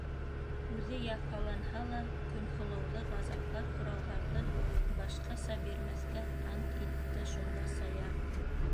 Үҙе яфаланһа ла Көнһылыуҙы ғазаплар һорауҙарҙы башҡаса бирмәҫкә ант итте шунда Саяр.